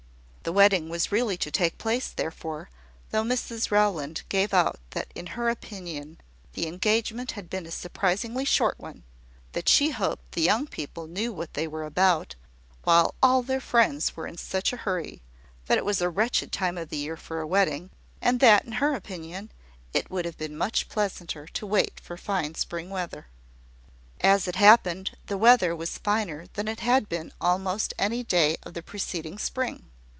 The wedding was really to take place, therefore, though Mrs Rowland gave out that in her opinion the engagement had been a surprisingly short one; that she hoped the young people knew what they were about, while all their friends were in such a hurry; that it was a wretched time of year for a wedding; and that, in her opinion, it would have been much pleasanter to wait for fine spring weather. As it happened, the weather was finer than it had been almost any day of the preceding spring.